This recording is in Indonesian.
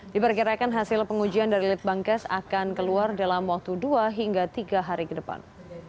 diperkirakan hasil pengujian dari litbangkes akan keluar dalam waktu dua hingga tiga hari ke depan